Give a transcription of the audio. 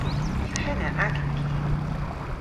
Yw henna agan ki?